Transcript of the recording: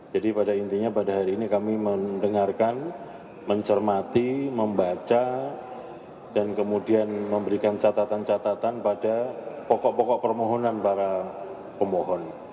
jadi pada intinya pada hari ini kami mendengarkan mencermati membaca dan kemudian memberikan catatan catatan pada pokok pokok permohonan para pemohon